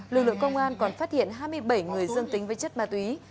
lực lượng công an còn phát hiện hai mươi bảy người dương tính với chất ma túy